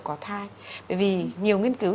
có thai bởi vì nhiều nghiên cứu